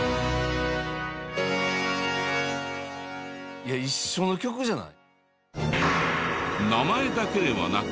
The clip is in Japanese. いや一緒の曲じゃない？